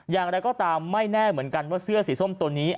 อย่างไรก็ตามไม่แน่เหมือนกันว่าเสื้อสีส้มตัวนี้